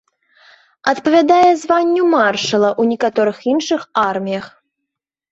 Адпавядае званню маршала ў некаторых іншых арміях.